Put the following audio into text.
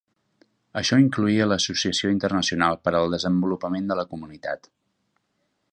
Això incloïa l'Associació Internacional per al Desenvolupament de la Comunitat.